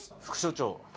副署長。